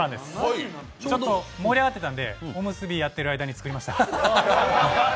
ちょっと盛り上がってたんで、おむすびやってる間に作っていました。